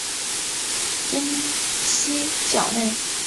真蜥脚类。